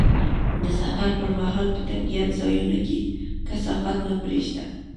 د سفر پر مهال په طبیعي ځایونو کې کثافات مه پرېږده.